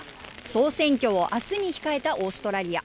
総選挙をあすに控えたオーストラリア。